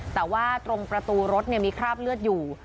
แต่ว่าตรงประตูรถมีคราบเลือดอยู่